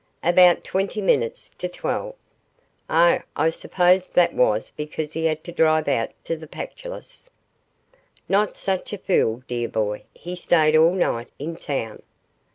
'About twenty minutes to twelve.' 'Oh! I suppose that was because he had to drive out to the Pactolus?' 'Not such a fool, dear boy; he stayed all night in town.